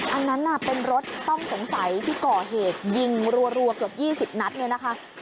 อันนั้นน่ะเป็นรถต้องสงสัยที่ก่อเหตุยิงรัวเกือบ๒๐นัดเนี่ยนะคะ